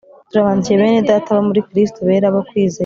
turabandikiye bene Data bo muri Kristo bera bo kwizerwa